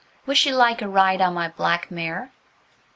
"Would she like a ride on my black mare?"